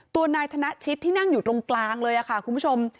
ตัวนายธนชิตที่นั่งอยู่ตรงกลางเลยค่ะคุณผู้ชม